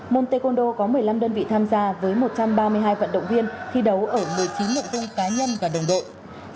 môn taekwondo có một mươi năm đơn vị tham gia với một trăm ba mươi hai vận động viên thi đấu ở một mươi chín nội dung cá nhân và đồng đội